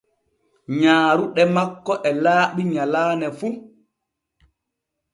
Nyaaruɗe makko e laaɓi nyallane fu.